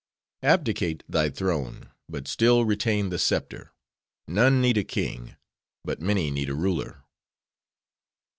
Abdicate thy throne: but still retain the scepter. None need a king; but many need a ruler.